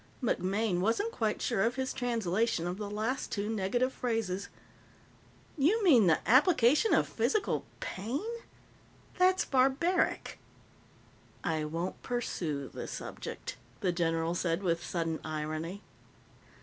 MacMaine wasn't quite sure of his translation of the last two negative phrases. "You mean the application of physical pain? That's barbaric." "I won't pursue the subject," the general said with sudden irony.